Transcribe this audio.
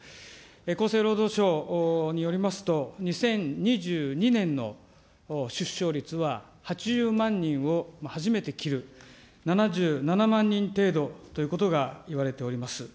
厚生労働省によりますと、２０２２年の出生率は８０万人を初めて切る、７７万人程度ということがいわれております。